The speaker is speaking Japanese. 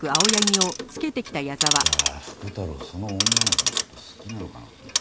だから福太郎その女の子の事好きなのかなと思ってさ。